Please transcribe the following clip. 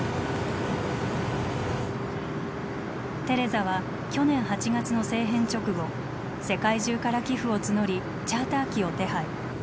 テレザは去年８月の政変直後世界中から寄付を募りチャーター機を手配。